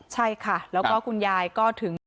ใช่ค่ะแล้วก็คุณยายก็ถึง